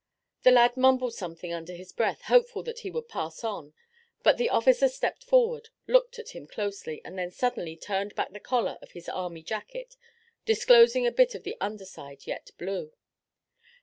The lad mumbled something under his breath, hopeful that he would pass on, but the officer stepped forward, looked at him closely and then suddenly turned back the collar of his army jacket, disclosing a bit of the under side yet blue.